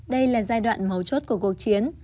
đây là giai đoạn mấu chốt của cuộc chiến